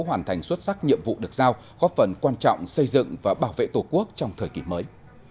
hoàn thành xuất sắc nhiệm vụ được giao góp phần quan trọng xây dựng và bảo vệ tổ quốc trong thời kỳ mới